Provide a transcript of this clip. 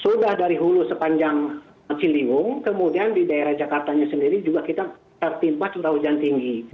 sudah dari hulu sepanjang ciliwung kemudian di daerah jakartanya sendiri juga kita tertimpa curah hujan tinggi